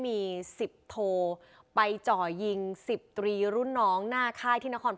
มี๑๐โทไปจ่อยิง๑๐ตรีรุ่นน้องหน้าค่ายที่นครพ